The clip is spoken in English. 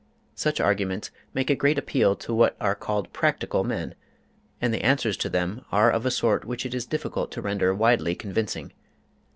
Such arguments make a great appeal to what are called ``practical'' men, and the answers to them are of a sort which it is difficult to render widely convincing.